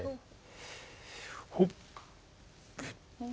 ほっ！